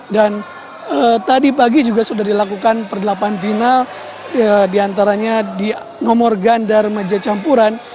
dan tadi pagi juga sudah dilakukan pergelapan final di antaranya di nomor gandar meja campuran